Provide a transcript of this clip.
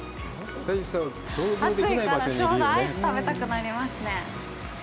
暑いから、ちょうどアイス、食べたくなりますね。